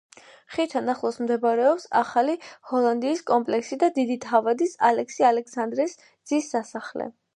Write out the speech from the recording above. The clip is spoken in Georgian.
ხიდთან ახლოს მდებარეობს ახალი ჰოლანდიის კომპლექსი და დიდი თავადის ალექსი ალექსანდრეს ძის სასახლე.